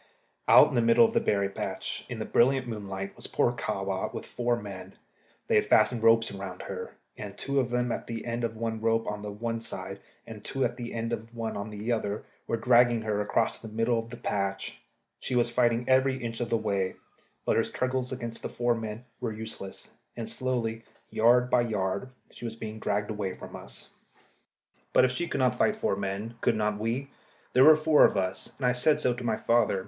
Out in the middle of the berry patch, in the brilliant moonlight, was poor Kahwa with four men. They had fastened ropes around her, and two of them at the end of one rope on one side, and two at the end of one on the other, were dragging her across the middle of the patch. She was fighting every inch of the way, but her struggles against four men were useless, and slowly, yard by yard, she was being dragged away from us. [Illustration: SLOWLY, YARD BY YARD, SHE WAS BEING DRAGGED AWAY FROM US.] But if she could not fight four men, could not we? There were four of us, and I said so to my father.